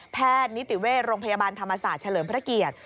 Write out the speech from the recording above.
นิติเวชโรงพยาบาลธรรมศาสตร์เฉลิมพระเกียรติ